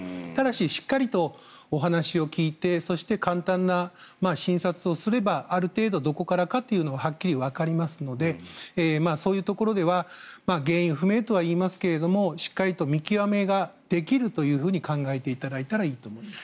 しっかりお話を聞いて簡単な診察をすればある程度、どこからかというのがはっきりわかりますのでそういうところでは原因不明とは言いますがしっかりと見極めができると考えていただいたらいいと思います。